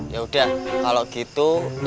yaudah kalo gitu